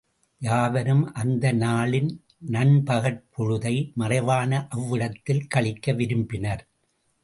யாவரும் அந்த நாளின் நண்பகற் பொழுதை மறைவான அவ்விடத்தில் கழிக்க விரும்பினர்.